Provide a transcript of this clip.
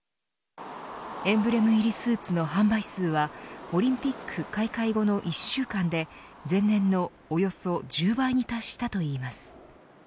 エンブレム入りスーツの販売数はオリンピック開会後の１週間で前年のおよそ１０倍に達したといいます。